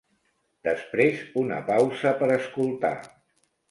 Després una pausa per escoltar